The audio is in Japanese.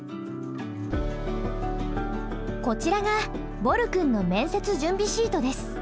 こちらがぼる君の面接準備シートです。